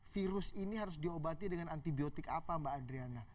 virus ini harus diobati dengan antibiotik apa mbak adriana